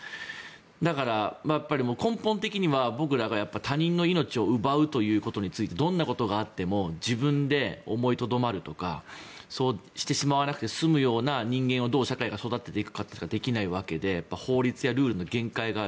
だから、根本的には僕らが他人の命を奪うということについてどんなことがあっても自分で思いとどまるとかそうしてしまわなくて済むような人間をどう社会が育てていくかしかできないわけで法律やルールの限界がある。